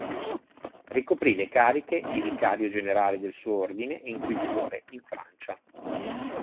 Ricoprì le cariche di vicario generale del suo ordine e inquisitore in Francia.